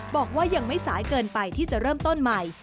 บอกว่ายังไม่สายเกินไปที่จะเริ่มต้นใหม่